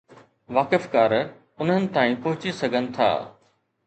واقفڪار انهن تائين پهچي سگهن ٿا.